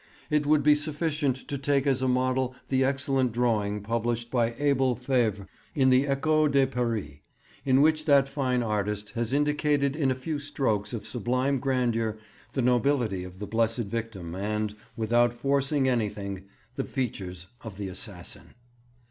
It would be sufficient to take as a model the excellent drawing published by Abel Faivre in the Echo de Paris, in which that fine artist has indicated in a few strokes of sublime grandeur the nobility of the blessed victim, and, without forcing anything, the features of the assassin.